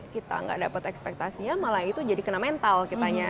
kita gak dapat ekspektasinya malah itu jadi kena mental kitanya